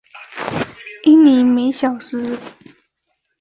英里每小时。